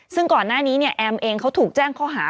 ซึ่งก่อนหน้านี้เนี่ยแอมเองเขาถูกแจ้งข้อหา